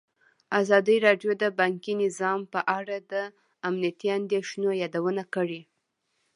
ازادي راډیو د بانکي نظام په اړه د امنیتي اندېښنو یادونه کړې.